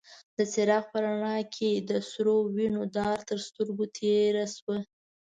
د څراغ په رڼا کې يې د سرو وينو داره تر سترګو تېره شوه.